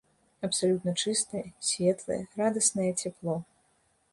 Абсалютна чыстае, светлае, радаснае цяпло.